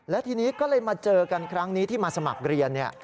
และทีนี้ก็เลยมาเจอกันครั้งนี้ที่มาสมัครเรียน